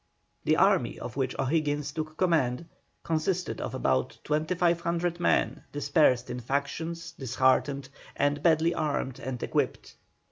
The army of which O'Higgins took command consisted of about 2,500 men dispersed in fractions, disheartened, and badly armed and equipped.